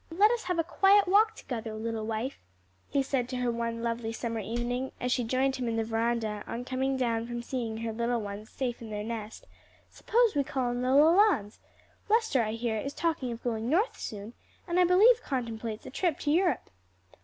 "Let us have a quiet walk together, little wife," he said to her one lovely summer evening, as she joined him in the veranda on coming down from seeing her little ones safe in their nest; "suppose we call on the Lelands. Lester, I hear, is talking of going North soon, and I believe contemplates a trip to Europe."